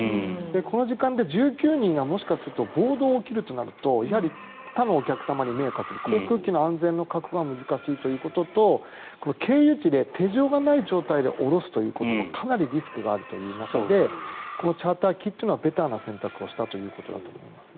この時間で１９人がもしかすると暴動が起きるとなると他のお客様に迷惑をかける航空機の安全の確保が難しいということと経由地で手錠がない状態で降ろすということはかなりリスクがあるという中でチャーター機というのはベターな選択をしたということだと思いますね。